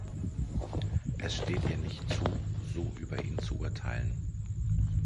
Es steht ihr nicht zu, so über ihn zu urteilen.